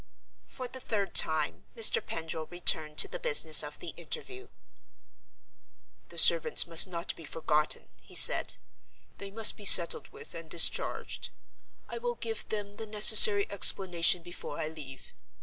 For the third time, Mr. Pendril returned to the business of the interview. "The servants must not be forgotten," he said. "They must be settled with and discharged: I will give them the necessary explanation before I leave.